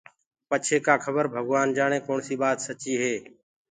پڇي ڪآ کبر ڀگوآن جآڻي ڪوڻسي ٻآت سچي هي